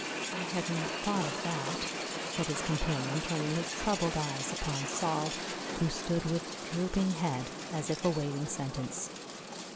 " I had not thought of that," said his companion, turning his troubled eyes upon Saul, who stood with drooping head as if awaiting sentence.